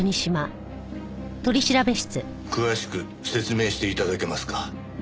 詳しく説明して頂けますか？